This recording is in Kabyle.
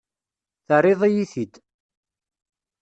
Terriḍ-iyi-t-id.